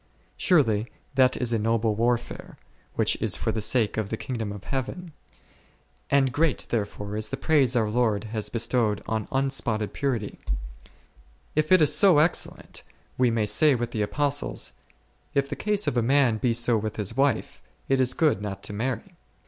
Surely that is a noble war fare, which is for the sake of the kingdom of Heaven, and great therefore is the praise our Lord has be stowed on unspotted purity. If it is so excellent, m St. Matt. xxii. 30. n St. Matt. xix. 12. o o 12 ©n i&olg STfcgfotts. we may say with the Apostles, If the case of a man be so with his wife, it is good not to marry.